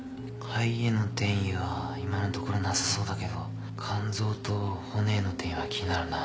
肺への転移は今のところなさそうだけど肝臓と骨への転移は気になるな。